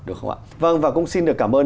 đúng không ạ vâng và cũng xin được cảm ơn